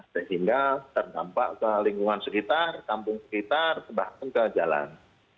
sehingga terdampak ke lingkungan sekitar kampung sekitar bahkan ke jalan